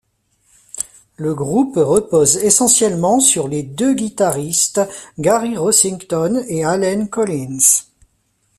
Le groupe repose essentiellement sur les deux guitaristes Gary Rossington et Allen Collins.